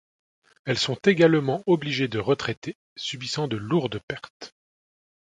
Elles sont également obligées de retraiter, subissant de lourdes pertes.